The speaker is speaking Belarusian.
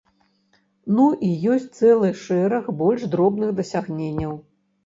Ну і ёсць цэлы шэраг больш дробных дасягненняў.